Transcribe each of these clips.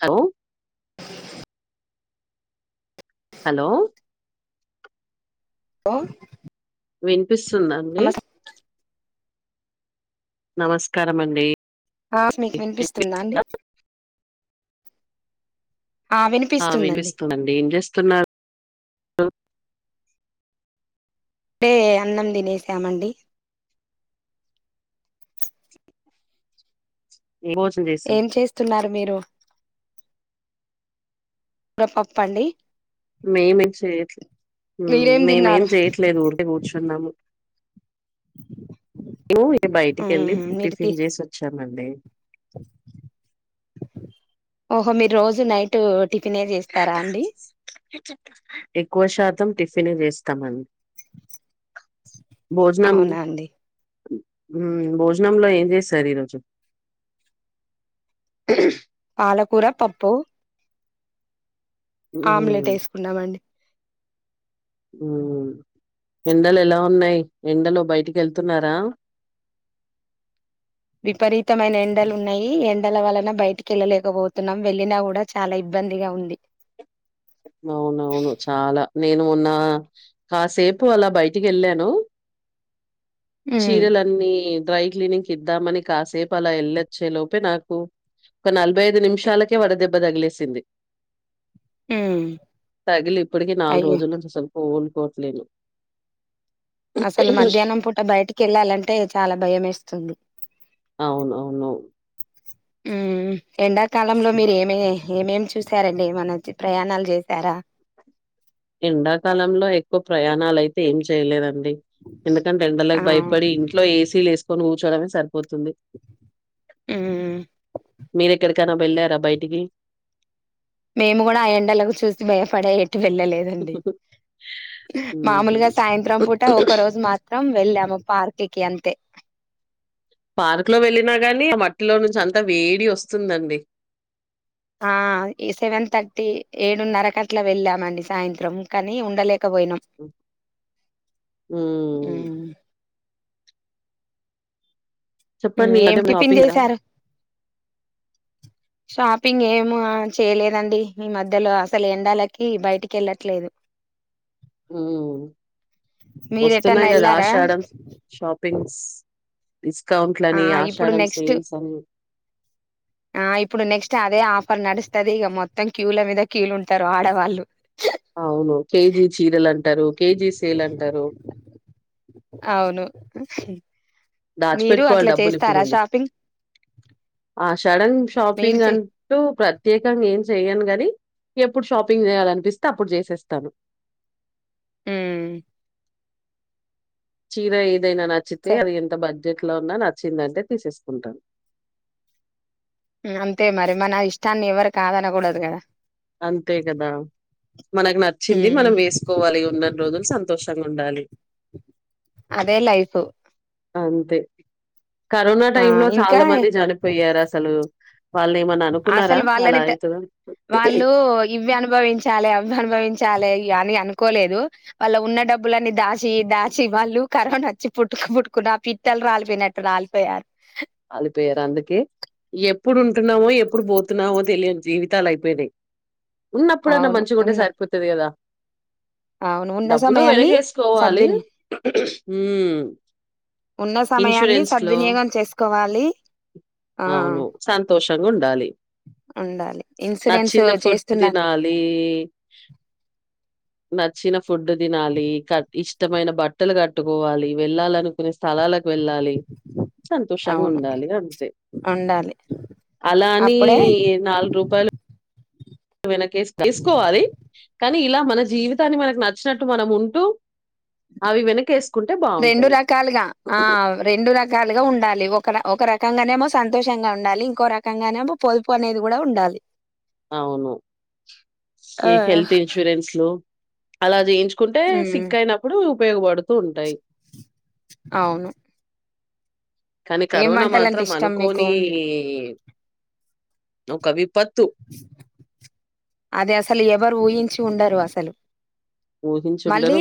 Hello hello ఓ వినిపిస్తుందండి? నమస్కారం అండి ఆ మీకు వినిపిస్తుందా అండి? ఆ విపిస్తుందండి ఏం చేస్తున్నారు? టే అన్నం తినేసామండి ఏం భోజనం చేసాం ఏం చేస్తున్నారు మీరు? మేం పప్పండి మేమె చేయట్లే మ్ మీరేం మేమేం తిన్నారు చేయట్లేదు ఊరికె కూర్చున్నాము. ఎమే ఏ బయటికి వెళ్ళి మ్మ్ మీరు తి టిఫిన్ చేసి వచ్చామండి. ఓహో మీరు రోజు నైట్ టిఫిన్ చేస్తారా అండి ఎక్కువ శాతం టిఫిన్ చేస్తామండి భోజనం అవునా అండి మ్ భోజనంలో ఏం చేసారు ఈరోజు? అలకూర పప్పు ఆమ్లెట్ ఉమ్, వేసుకున్నామండి మ్ ఎండలు ఎలా ఉన్నాయి, ఎండలు బయటికి వెళ్తున్నారా? విపరీతమైన ఎండలు ఉన్నాయి ఎన్ ఎల వలన బయటికి వెళ్ళలేకపోతున్నాం, వెళ్ళిన కూడా చాలా ఇబ్బందిగా ఉంది. అవునవును చాలా నేను ఉన్న కాసేపు అలా బయటికి వెళ్ళాను. మ్మ్ చీరలన్నీ డ్రై క్లీనిక్ ఇద్దామని కాసేపు అలా వెళ్ళొచ్చే లోపే నాకు ఒక నలభై ఐదు నిమిషాలకే వడదెబ్బ తగిలేసింది. మ్మ్ తగిలి ఇప్పటికీ నాలుగు అయ్యో రోజులను చసలుపు ఓలుకోట్లేను అసలు మధ్యాహ్నం పూట బయటికి వెళ్ళాలంటే చాలా భయం వేస్తుంది. అవునవును ఉమ్ ఎండాకాలంలో మీరు ఏమి ఏమేం చూసారండి ఏమన్న చెప్ ప్రయాణాలు చేసారా ఎండాకాలంలో ఎక్కువ ప్రయాణాలుయితే ఏం చేయలేదం డి ఎందుకంటే ఆ ఎండలకి భయపడి ఇంట్లో ఏసీలు వేసుకొని కూర్చోడమే సరిపోతుంది. ఉమ్ మీరెక్కడికైనా వెళ్ళారా బయటికి టి వెళ్ళలేదండి హ్మ్. మామూలుగా సాయంత్రం పూట ఒక రోజు మాత్రం వెళ్ళాము పార్క్కి అంతే పార్క్ లో వెళ్ళినా గాని ఆ మట్టిలో నుంచి అంత వేడి వస్తుందండి ఆ ఈ సెవెన్ థర్టీ ఏడున్నర కట్ల వెళ్ళామండి సాయంత్రం కానీ ఉండలే పోయినం హ్మ్. చెప్పండి ఏం అదే టిఫిన్ షాపింగరా? చేసారు షాపింగ్ ఏమ చేయలేదండి ఈ మధ్యలో అసలు ఎండాలకి బయటికి వెళ్ళట్లేదు ఉ మీరు ఎటన్నా వస్తున్నాయి కదా వెళ్ళారా ఆషాడం షాపింగ్స్ ఆ డిస్కౌంట్లని, ఇప్పుడు ఆషాఢం నెక్స్ట్ సేల్స్ అని ఆ ఇప్పుడు నెక్స్ట్ అదే ఆఫర్ నడుస్తదిగ మొత్తం క్యూల మీద క్యూలు ఉంటారు ఆడవాళ్ళు అవును కేజీ చీరలని అంటరు కేజీ సేల్ అంటరు అవును మీరు దాచిపెట్టుకోవాలి అట్లా డబ్బులు చేస్తారా ఇప్పుడుండి షాపింగ్ ఆషాడం మీరు షాపింగ్ చే అంటూ ప్రత్యేకంగా ఏం చెయను గని ఎప్పుడు షాపింగ్ చేయాలనిపిస్తే అప్పుడు చేసేస్తాను ఉ చీర ఏదైన నచ్చితే సే అది ఎంత బ బడ్జెట్లో ఉన్నా నచ్చిందంటే తీసేసుకుంటాను అంతే మరి మన ఇష్టాన్ని ఎవరు కాదనకూడదు గదా అంతే కదా మనకు నచ్చింది మనం మ్మ్ వేసుకోవాలి ఉన్నన్నీ రోజులు సంతోషంగ్ ఉండాలి అదే లైఫ్ అంతే కరోనా ఆ టైమ్ లో ఇంకా చాలా మంది చనిపోయారు అసలు వాళ్లేమన్న అనుకున్నారా అసలు అలా వాళ్ళని త అయితాదని వాళ్ళు ఇవి అనుభవించాలే అవి అనుభవించాలే అని అను కోలేదు వాళ్ళ ఉన్న డబ్బులన్నీ దాచి దాచి వాళ్ళు కరోనా వచ్చి పుట్టుకు పుట్టుకున్న పిక్త్ రాలిపోయినట్టు రాలిపోయారు కాలిపోయారు అందుకే. ఎప్పుడు ఉంటున్నామో ఎప్పుడు పోతున్నామో తెలియని జీవితాలు అయిపోయినాయి ఉన్నప్పుడన్న అవును మంచిగుంటే ఉన్న సరిపోతది కదా అవును ఉన్న డబ్బులు సమయాన్ని వెనగేసుకోవాలి సద్విని ఉ ఉన్న సమయాన్ని సద్వినియోగం చేసుకోవాలి ఆ అవును సంతోషంగా ఉండాలి ఉండాలి ఇన్సూరెన్స్ నచ్చిన ఫుడ్ చేస్తున్నారు తినాలి నచ్చిన ఫుడ్ తినాలి కట్ ఇష్టమైన బట్టలు కట్టుకోవాలి వెళ్ళాలనుకునే స్థలాలకు వెళ్ళాలి సంతోషంగా అవును ఉండాలి అంతే ఉండాలి అలాని అప్పుడే నాలుగు రూపాయలు ఎసుకోవాలి కానీ ఇలా మన జీవితాన్ని మనకు నచ్చినట్టు మనం ఉంటూ అవి వెనకేసుకుంటే రెండు బావుంటది. రకాలుగా ఆ రెండు రకాలుగా ఉం ఉండాలి ఒక ఒక రకంగానేమో సంతోషంగా ఉండాలి ఇంకో రకంగానేమో పొదుపు అనేది కూడా ఉండాలి అవును ఆ ఈ హెల్త్ ఇన్సూరెన్స్లు అలా చేయించు ఉంటే ఉమ్, సిక్ అయినప్పుడు ఉపయోగపడుతూ ఉంటాయి అవును కానీ ఏం కరోనా వంటలంటే మాత్రం ఇష్టం మీకు అనుకోని కవి అది అసలు ఎవరు ఊహించి ఉండరు అసలు ఊహించుండరు. మళ్ళీ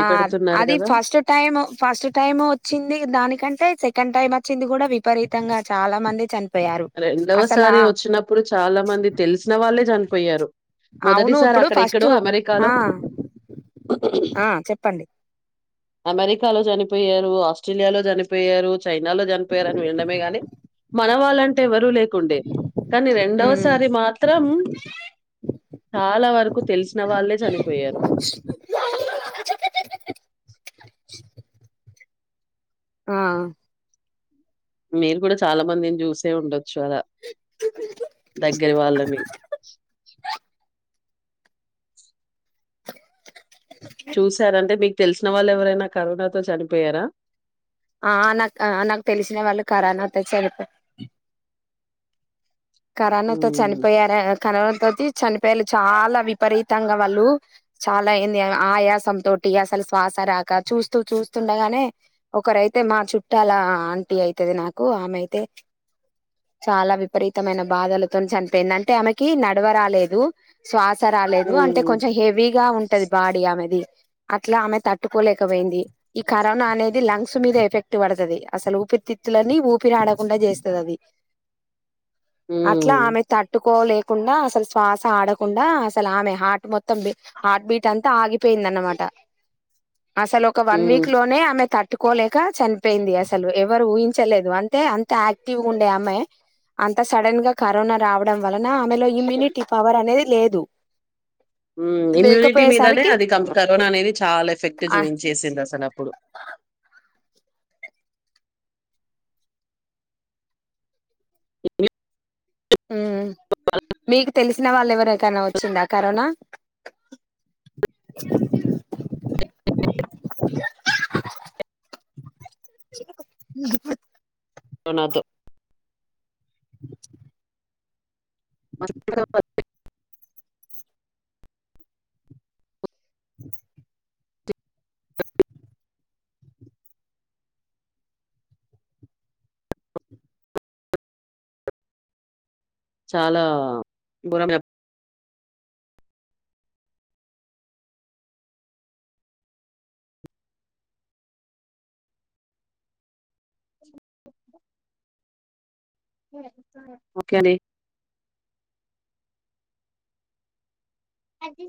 ఆ అది గదా! ఫస్ట్ టైం ఫస్ట్ టైం వచ్చింది దానికంటే సెకండ్ టైం వచ్చింది కూడా విపరీతంగా చాలా మంది చని రెండవసారి వచ్చినప్పుడు చాలా మంది తెలిసిన వాళ్ళే చనిపోయారు అవును మొదటిసార్ ఇప్పుడు అక్కడ ఫస్ట్ ఎక్కడో ఆ అమెరికాలో ఆ చెప్పండి అమెరికాలో చనిపోయారు ఆస్ట్రేలియాలో చనిపోయారు చైనాలో చనిపోయారని వినడమే గాని మన వాళ్ళంటే ఎవరు ఎవరు లేకుండే కానీ హ్మ్. రెండవసారి మాత్రం చాలా వరకు తెలిసిన వాళ్లే చనిపోయారు ట చ్ ఆ మీరు కూడా చాలా మందిని చూసే ఉండొచ్చు అలా దగ్గర వాళ్ళనీ చూసారంటే మీకు తెలిసిన వాళ్ళు ఎవరైనా కరోనాతో చనిపోయారా ఆ నాకు నాకు తెలిసిన వాళ్ళు కరోనాతో చనిపోయారు కరోనాతో హ్మ్. చనిపోయారా కరో చనిపోయారు చాలా విపరీతంగా వాళ్ళు చాలా అయింది ఆయాసం తోటి అసలు శ్వాస రాక చూస్తూ చూస్తుండగానే ఒకరైతే మా చుట్టాల ఆంటీ అయితది నాకు ఆమె అయితే చాలా విపరీతమైన బాధలతో చనిపోయింది అంటే ఆమెకి నడవ రాలేదు శ్వాస రాలేదు అంటే హ్మ్. కొంచెం హెవీగా ఉంటది బాడీ ఆమెది అట్లా ఆమె తట్టుకోలేకపోయింది ఈ కరోనా అనేది లంగ్స్ మీద ఎఫెక్ట్ పడుతది అసలు ఊపిరితిత్తులని ఊపిరి ఆడకుండా చేస్తుంది అది అట్లా హ్మ్. ఆమె తట్టుకోలేక కుడా అసలు శ్వాస ఆడకుండా అసలు ఆమె హార్ట్ మొత్తం హార్ట్ బీట్ అంతా ఆగిపోయిందన్నమాట అసలు ఒక వన్ హ్మ్. వీక్ లోనే ఆమె థర్ పెట్టుకోలేక చనిపోయింది అసలు ఎవరు ఊహించలేదు అంటే అంత యాక్టివ్ ఉండే ఆమె అంత సడన్ గా కరోనా రావడం వలన ఆమెలో ఇమ్యూనిటీ పవర్ అనేది లేదు ఇమ్యూనిటీ మీదనే లేకపోయేసరికి అది కరోనా అనేది చాలా ఎఫెక్ట్ చూపించేసింది అసలు అప్పుడు ఆ ఇమ్యూనిటీ ఉ మీకు తెలిసిన వాళ్ళు ఎవరకైనా వచ్చిందా కరోనా కోడి అరుపు పురుషులు ముచ్చట కరోనాతో బండి సౌండ్ మంచిగుంది ఫర్ఫెక్ట్ ఉ చాలా బురద ఓకేలే అ